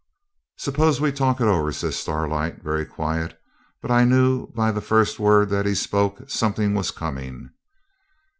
'Suppose we talk it over,' says Starlight, very quiet, but I knew by the first word that he spoke something was coming.